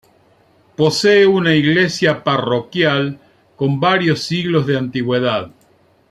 Posee una iglesia parroquial con varios siglos de antigüedad.